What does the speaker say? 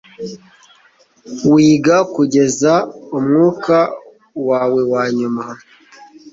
Wiga kugeza umwuka wawe wanyuma.